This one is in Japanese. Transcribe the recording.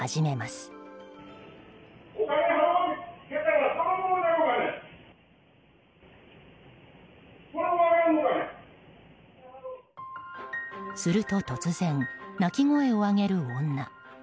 すると突然、泣き声を上げる女。